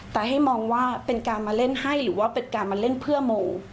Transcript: แต่ให้มองว่าเป็นการมาเล่นให้หรือว่าเป็นการมาเล่นเพื่อโม